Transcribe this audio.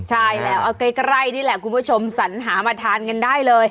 ใช่แล้วเอาใกล้นี่แหละคุณผู้ชมสัญหามาทานกันได้เลย